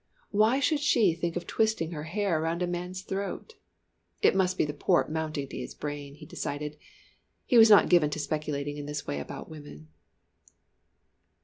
Why should she think of twisting her hair round a man's throat? It must be the port mounting to his brain, he decided he was not given to speculating in this way about women.